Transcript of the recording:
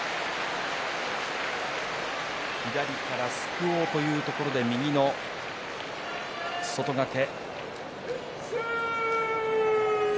左からすくおうというところで右の外掛け。